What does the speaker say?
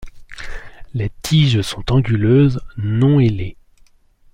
Les tiges sont anguleuses, non ailées.